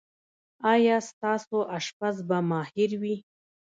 ایا ستاسو اشپز به ماهر وي؟